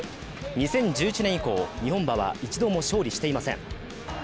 ２０１１年以降、日本馬は一度も勝利していません。